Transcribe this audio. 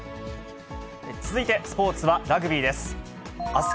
続いてスポーツはラグビーです。